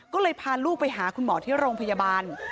ก็เลยพาลูกไปหาคุณหมอที่โรงพยาบาล